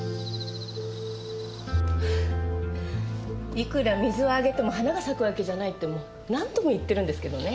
いくら水をあげても花が咲くわけじゃないってもう何度も言ってるんですけどね。